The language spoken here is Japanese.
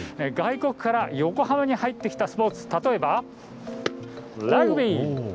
外国から横浜に入ってきたスポーツ、例えばラグビー。